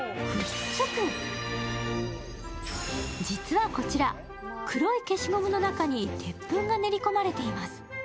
実はこちら黒い消しゴムの中に鉄粉が練り込まれています。